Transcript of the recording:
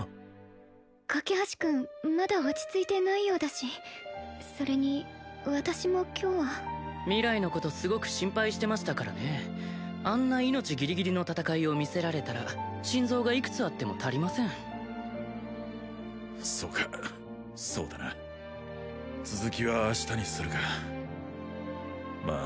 架橋君まだ落ち着いてないようだしそれに私も今日は明日のことすごく心配してましたからねあんな命ギリギリの戦いを見せられたら心臓がいくつあっても足りませんそうかそうだな続きは明日にするかまあ